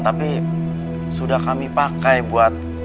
tapi sudah kami pakai buat